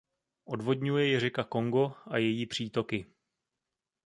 Odvodňuje ji řeka Kongo a její přítoky.